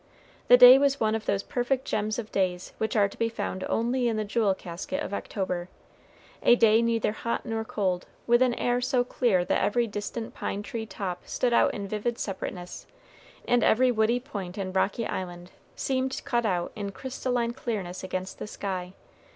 The day was one of those perfect gems of days which are to be found only in the jewel casket of October, a day neither hot nor cold, with an air so clear that every distant pine tree top stood out in vivid separateness, and every woody point and rocky island seemed cut out in crystalline clearness against the sky.